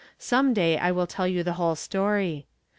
Some day I wiQ tell you the whole story.